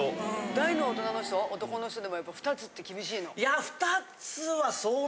大の大人の人男の人でも２つって厳しいの？